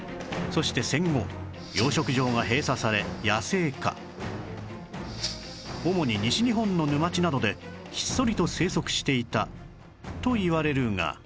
そして戦後主に西日本の沼地などでひっそりと生息していたといわれるが